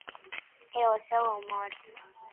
E o seu humor.